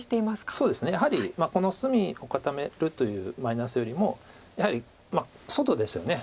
そうですねやはりこの隅を固めるというマイナスよりもやはりまあ外ですよね。